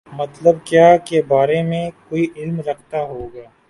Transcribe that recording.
مطلب کیا کے بارے میں کوئی علم رکھتا ہو گا